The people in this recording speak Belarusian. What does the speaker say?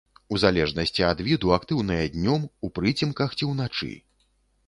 У залежнасці ад віду актыўныя днём, у прыцемках ці ўначы.